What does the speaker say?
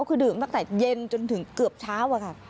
คือดื่มตั้งแต่เย็นจนถึงเกือบเช้าอะค่ะ